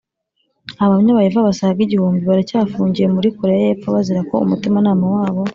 Abahamya ba Yehova basaga igihumbi baracyafungiye muri Koreya y’Epfo bazira ko umutimanama wabo.